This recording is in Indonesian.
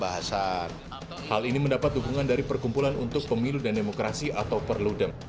hal ini mendapat dukungan dari perkumpulan untuk pemilu dan demokrasi atau perludem